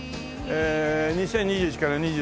２０２１から２０２３に。